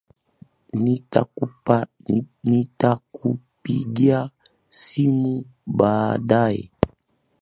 Nitakupigia simu baadaye.